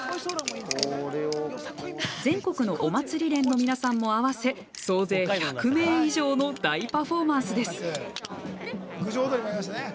全国のお祭り連の皆さんも合わせ総勢１００名以上の大パフォーマンスです。